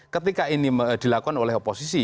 ketika ini dilakukan oleh oposisi